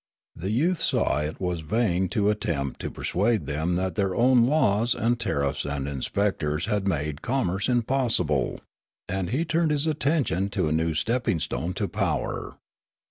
The 5'outh saw it was vain to attempt to per suade them that their own laws and tariffs and inspectors had made commerce impossible ; and he turned his Wotnekst 209 attention to a new stepping stone to power.